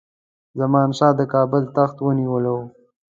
زمان شاه د کابل تخت نیولی وو.